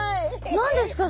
何ですか？